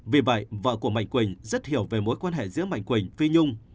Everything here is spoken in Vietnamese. vì vậy vợ của mạnh quỳnh rất hiểu về mối quan hệ giữa mạnh quỳnh phi nhung